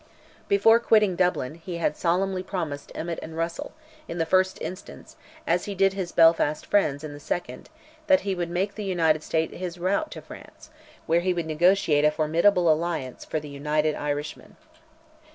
Before quitting Dublin, he had solemnly promised Emmet and Russell, in the first instance, as he did his Belfast friends in the second, that he would make the United States his route to France, where he would negotiate a formidable national alliance, for "the United Irishmen."